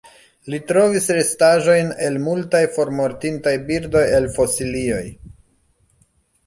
Li trovis restaĵojn el multaj formortintaj birdoj el fosilioj.